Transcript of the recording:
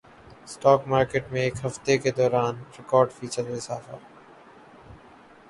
stock market میں ایک ہفتے کے دوران ریکارڈ فیصد اضافہ